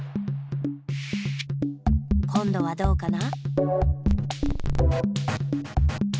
こんどはどうかな？